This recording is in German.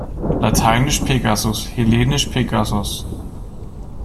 Lateinisch Pegasus, hellenisch Pegasos.